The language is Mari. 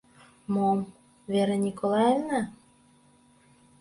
— Мом, Вера Николаевна?